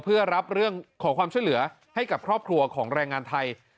เพื่อรับเรื่องขอความช่วยเหลือให้กับครอบครัวของแรงงานไทย